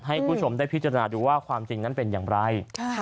ให้คุณผู้ชมได้พิจารณาดูว่าความจริงนั้นเป็นอย่างไร